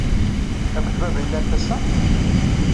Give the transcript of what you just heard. Akked baba ay llant ass-a?